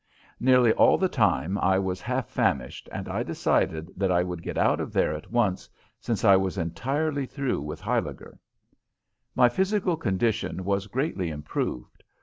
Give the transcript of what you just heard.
Nearly all the time I was half famished, and I decided that I would get out of there at once, since I was entirely through with Huyliger. My physical condition was greatly improved.